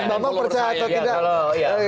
yang bapak percaya atau tidak